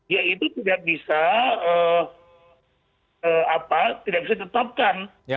ya itu tidak bisa ditetapkan